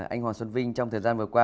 anh hoàng xuân vinh trong thời gian vừa qua